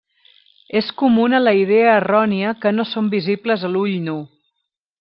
És comuna la idea errònia que no són visibles a l'ull nu.